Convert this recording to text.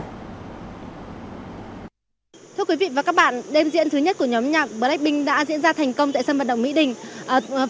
thưa quý vị và các bạn đêm diễn thứ nhất của nhóm nhạc blackpink đã diễn ra thành công tại sân vận động mỹ đình